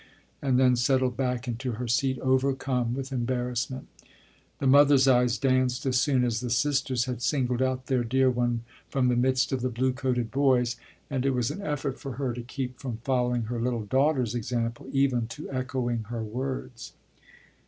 and then settled back into her seat overcome with embarrassment. The mother's eyes danced as soon as the sister's had singled out their dear one from the midst of the blue coated boys, and it was an effort for her to keep from following her little daughter's example even to echoing her words.